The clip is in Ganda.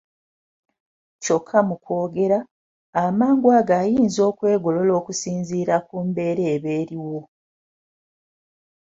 Kyokka mu kwogera, amangu ago oyinza okwegolola okusinziira ku mbeera eba eriwo.